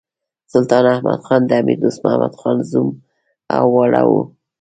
سلطان احمد خان د امیر دوست محمد خان زوم او وراره وو.